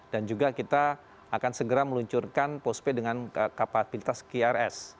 dan juga kita akan segera meluncurkan postpay dengan kapabilitas krs